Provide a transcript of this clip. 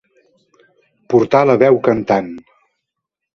Portar la veu cantant.